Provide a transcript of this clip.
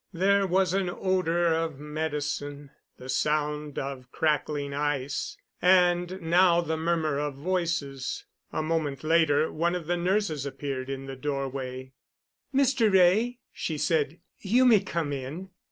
There was an odor of medicine, the sound of crackling ice, and now the murmur of voices. A moment later one of the nurses appeared in the doorway. "Mr. Wray," she said, "you may come in."